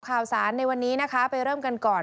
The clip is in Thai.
ข่าวสารในวันนี้นะคะไปเริ่มกันก่อน